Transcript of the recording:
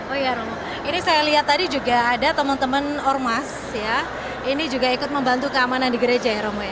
oh ya romo ini saya lihat tadi juga ada teman teman ormas ya ini juga ikut membantu keamanan di gereja ya romo ya